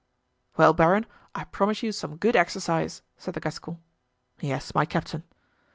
"Well, baron, I promise you some good exercise!" said the Gascon. "Yes, my captain."